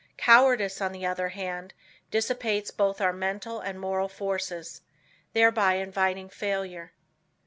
Cowardice on the other hand, dissipates both our mental and moral forces, thereby inviting failure.